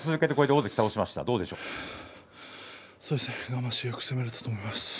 自分らしく攻められたと思います。